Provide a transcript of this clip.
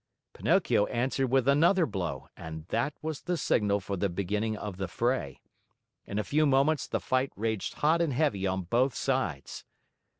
Pinocchio answered with another blow, and that was the signal for the beginning of the fray. In a few moments, the fight raged hot and heavy on both sides.